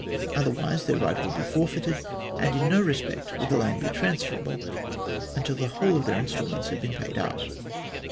Otherwise, their right would be forfeited, and in no respect would the land be transferable until the whole of their instalments had been paid up.